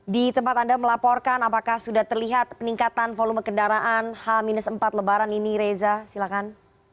di tempat anda melaporkan apakah sudah terlihat peningkatan volume kendaraan h empat lebaran ini reza silakan